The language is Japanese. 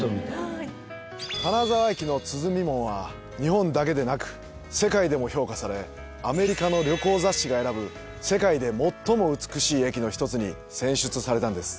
金沢駅の鼓門は、日本だけでなく世界でも評価されアメリカの旅行雑誌が選ぶ世界で最も美しい駅の１つに選出されたんです。